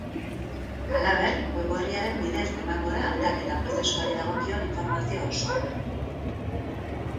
Halaber, web orriaren bidez emango da hautaketa prozesuari dagokion informazio osoa.